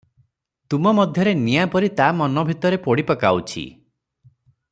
ତୁମ ମଧ୍ୟରେ ନିଆଁ ପରି ତା ମନ ଭିତରେ ପୋଡ଼ି ପକାଉଛି ।